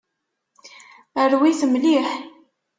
Rwi-t mliḥ.